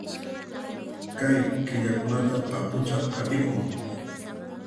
Kay killakunata paqucha qatikun